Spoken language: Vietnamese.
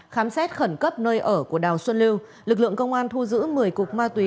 khám xét khẩn cấp nơi ở của đào xuân lưu lực lượng công an thu giữ một mươi cục ma túy